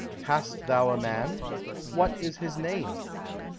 "Hast thou a man? What is his name?"